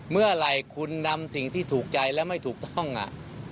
เมื่อไหร่คุณนำสิ่งที่ถูกใจและไม่ถูกต้องอ่ะ